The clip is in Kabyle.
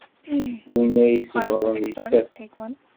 Win ay iṣebbren, yettaf.